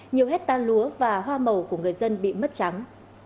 nhiều hết tan lúa và hoa màu của người dân bị mất trắng